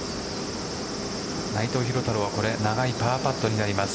内藤寛太郎は長いパーパットになります。